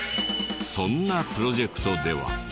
そんなプロジェクトでは。